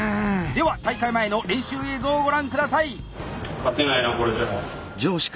では大会前の練習映像をご覧下さい。